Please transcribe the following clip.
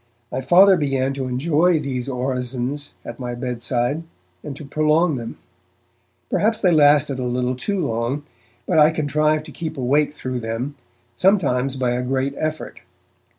My Father began to enjoy these orisons at my bedside, and to prolong them. Perhaps they lasted a little too long, but I contrived to keep awake through them, sometimes by a great effort.